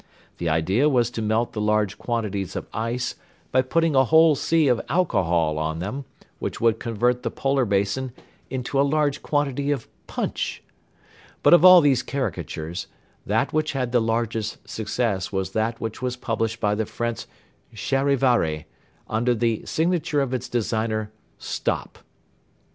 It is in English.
The idea was to melt the large quantities of ice by putting a whole sea of alcohol on them, which would convert the polar basin into a large quantity of punch. But of all these caricatures, that which had the largest success was that which was published by the French Charivari, under the signature of its designer, "Stop."